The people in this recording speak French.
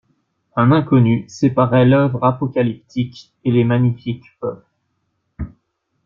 Un inconnu séparait l'œuvre apocalyptique et les magnifiques bœufs.